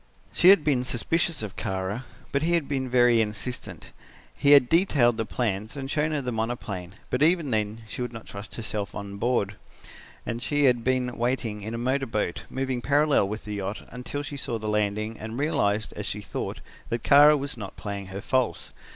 "She had been suspicious of Kara, but he had been very insistent. He had detailed the plans and shown her the monoplane, but even then she would not trust herself on board, and she had been waiting in a motor boat, moving parallel with the yacht, until she saw the landing and realized, as she thought, that Kara was not playing her false.